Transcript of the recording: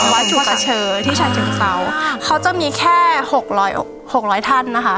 วัดจุตเชอร์ที่ชายเชียงเซาอ่าเขาจะมีแค่หกร้อยหกร้อยท่านนะคะ